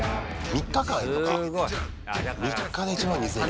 ３日で１万２０００人。